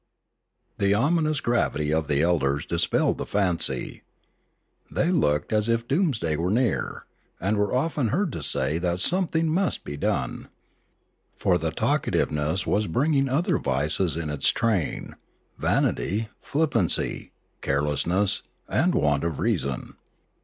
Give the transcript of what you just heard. The ominous gravity of the elders dispelled the fancy. They looked as if doomsday were near, and were often heard to say that something must be done. For the talkativeness was bringing other vices in its train, — vanity, flippancy, carelessness, and want of reason.